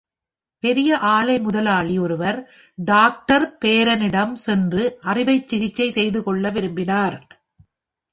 பெரிய ஆலை முதலாளி ஒருவர் டாக்டர் பெரனிடம் சென்று அறுவை சிகிச்சை செய்துகொள்ள விரும்பினார்.